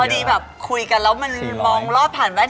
ดีแบบคุยกันแล้วมันมองรอบผ่านแวด